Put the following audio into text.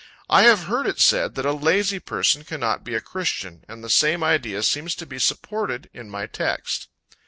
I have heard it said that a lazy person cannot be a christian, and the same idea seems to be supported in my text.